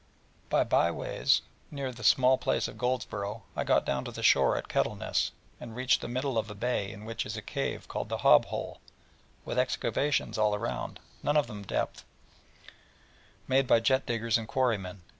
By by ways near the small place of Goldsborough I got down to the shore at Kettleness, and reached the middle of a bay in which is a cave called the Hob Hole, with excavations all around, none of great depth, made by jet diggers and quarrymen.